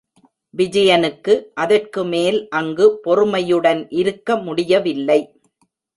விஜயனுக்கு அதற்குமேல் அங்கு பொறுமையுடன் இருக்க முடியவில்லை.